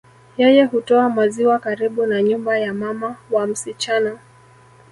Yeye hutoa maziwa karibu na nyumba ya mama wa msichana